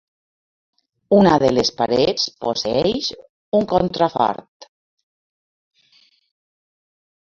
Una de les parets posseeix un contrafort.